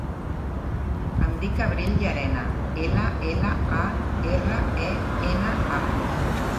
Em dic Abril Llarena: ela, ela, a, erra, e, ena, a.